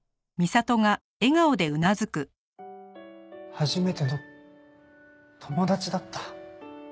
初めての友達だった。